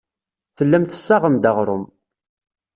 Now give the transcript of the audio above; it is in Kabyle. Tellam tessaɣem-d aɣrum.